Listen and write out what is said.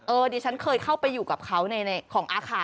เออเดชั่นเคยเข้าไปอยู่กับเขาในของอาคา